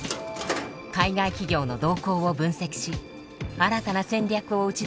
海外企業の動向を分析し新たな戦略を打ち出しています。